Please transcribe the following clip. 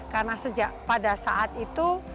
karena sejak pada saat itu